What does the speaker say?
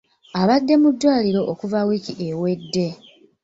Abadde mu ddwaliro okuva wiiki ewedde.